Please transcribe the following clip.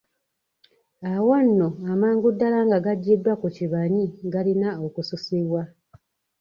Awo nno amangu ddala nga gaggyiddwa ku kibanyi galina okususibwa.